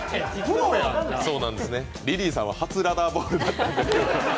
リリーさんは初ラダーボールだったんですが。